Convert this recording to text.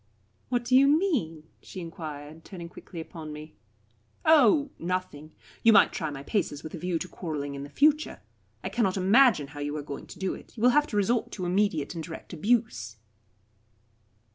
"What do you mean?" she enquired, turning quickly upon me. "Oh nothing. You might try my paces with a view to quarrelling in the future. I cannot imagine how you are going to do it. You will have to resort to immediate and direct abuse."